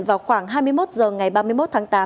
vào khoảng hai mươi một h ngày ba mươi một tháng tám